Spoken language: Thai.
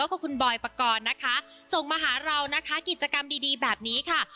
แล้วก็คุณบอยปกรณ์นะคะส่งมาหาเรานะคะกิจกรรมดีดีแบบนี้ค่ะ